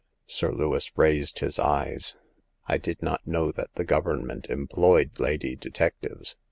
Sir Lewis raised his eyes. "I did not know that the Government employed lady detectives